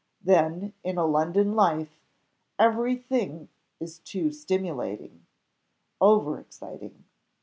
Then in a London life every thing is too stimulating over exciting.